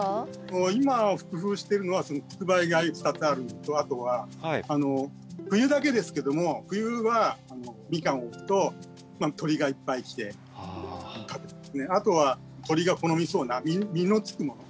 今工夫してるのはつくばいが２つあるのとあとは冬だけですけども冬はミカンを置くとまあ鳥がいっぱい来てあとは鳥が好みそうな実のつくもの。